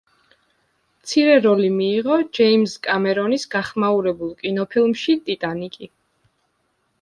მცირე როლი მიიღო ჯეიმზ კამერონის გახმაურებულ კინოფილმში „ტიტანიკი“.